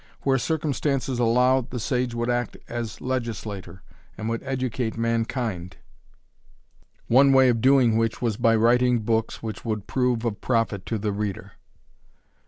Where circumstances allowed the sage would act as legislator, and would educate mankind, one way of doing which was by writing books which would prove of profit to the reader.